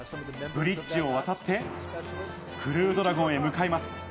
ブリッジを渡って、クルードラゴンへ向かいます。